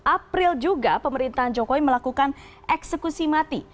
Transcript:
april juga pemerintahan jokowi melakukan eksekusi mati